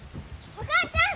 お母ちゃん！